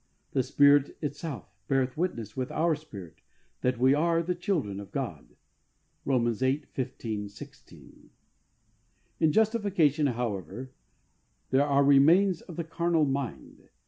The Spirit itself beareth witness with our spirit that we are the children of God" (Rom. viii. 15, 16). In justification, however, there are remains of the carnal mind.